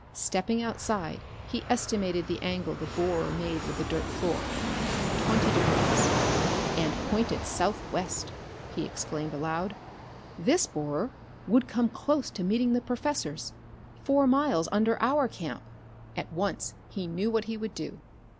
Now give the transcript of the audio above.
Stepping outside, he estimated the angle the borer made with the dirt floor. Twenty degrees. "And pointed southwest!" he exclaimed aloud. "This borer would come close to meeting the professor's, four miles under our camp!" At once he knew what he would do.